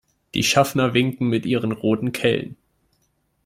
Die Schaffner winken mit ihren roten Kellen.